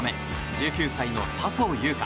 １９歳の笹生優花。